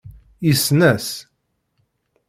Yessen-as.